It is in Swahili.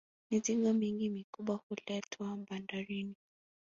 mizigo mingi mikubwa huletwa bandarini